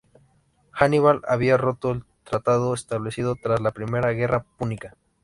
Aníbal había roto el tratado establecido tras la primera guerra púnica.